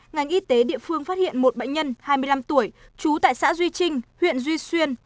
ngành y tế địa phương phát hiện một bệnh nhân hai mươi năm tuổi trú tại xã duy trinh huyện duy xuyên